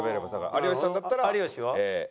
有吉さんだったらリンゴ。